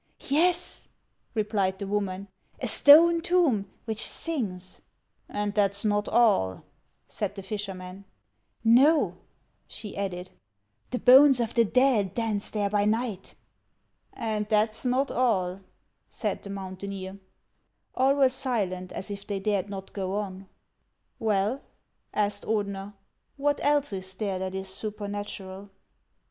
Yes," replied the woman ;" a stone tomb which sings." " And that 's not all," said the fisherman. " Xo," she added ;" the bones of the dead dance there by night." " And that 's not all," said the mountaineer. All were silent, as if they dared not go on. " Well," asked Ordener, " what else is there that is supernatural